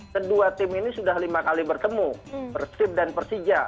kedua tim ini sudah lima kali bertemu persib dan persija